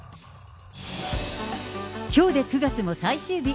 きょうで９月も最終日。